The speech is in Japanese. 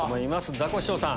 ザコシショウさん。